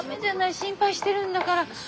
心配してるんだから。